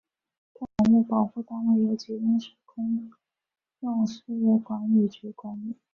该文物保护单位由吉林市公用事业管理局管理。